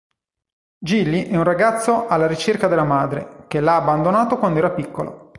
Gilly è un ragazzo alla ricerca della madre, che l'ha abbandonato quando era piccolo.